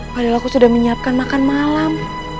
padahal aku sudah menyiapkan makan malam